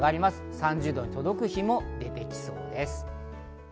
３０度に届く日も出てきそうです。